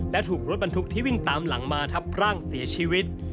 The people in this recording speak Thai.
และถูกรถบรรทุกที่วิ่งตามหลังมาทับร่างเสียชีวิต